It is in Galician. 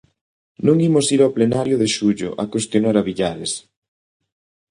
Non imos ir ao plenario de xullo a cuestionar a Villares.